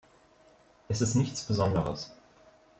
Es ist nichts Besonderes.